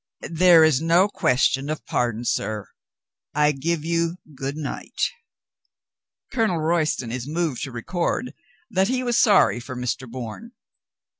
"There is no question of pardon, sir. I give you good night." Colonel Royston is moved to record that he was sorry for Mr. Bourne.